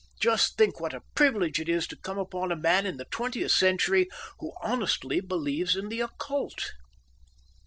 Just think what a privilege it is to come upon a man in the twentieth century who honestly believes in the occult."